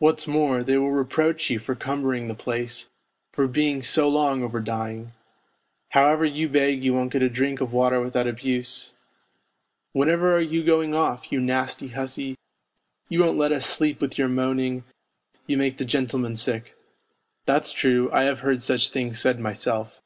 What's more, they will reproach you for cumbering the place, for being so long over dying. How ever you beg you won't get a drink of water without abuse :' Whenever are you going off, you nasty hussy, you won't let us sleep with your moaning, you make the gentlemen sick.' That's true, I have heard such things said myself.